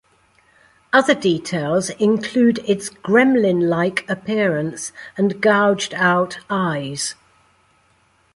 Other details include its gremlin-like appearance and gouged out eyes.